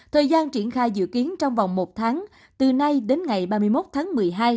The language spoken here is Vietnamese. thời gian triển khai dự kiến trong vòng một tháng từ nay đến ngày ba mươi một tháng một mươi hai